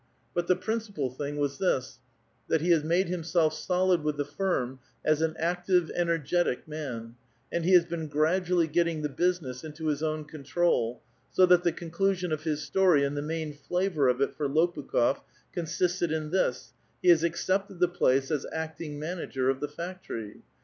But the principal thing was this, that he has made himself solid with the firm as an active, energetic man, and he has been gradually getting the business into his own control, so that the conclusion of his story and the main flavor of it for Lopukh6f consisted in this : he has accepted the place as acting manager of the factory.